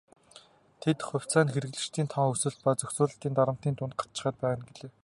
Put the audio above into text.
Тэд "хувьцаа нь хэрэглэгчдийн тоон өсөлт ба зохицуулалтын дарамтын дунд гацчихаад байна" гэлээ.